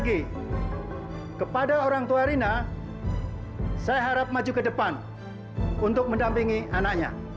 ibu orang tua rina